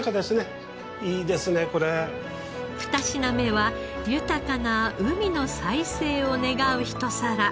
二品目は豊かな海の再生を願うひと皿。